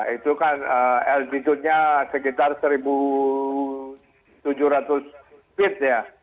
itu kan altitude nya sekitar satu tujuh ratus feet ya